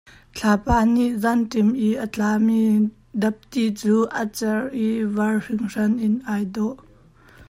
Thlapa nih zaanṭim i a tla mi dapti cu a ceuh i var hngirhngiar in an i dawh.